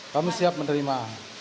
kami siap menerima